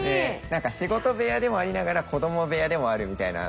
何か仕事部屋でもありながら子供部屋でもあるみたいな。